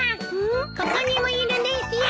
ここにもいるですよ。